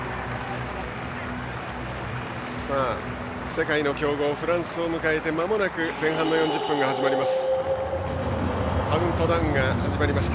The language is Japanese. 世界の強豪フランスを迎えてまもなく前半の４０分が始まります。